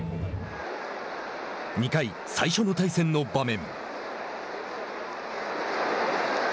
２回、最初の対戦の場面。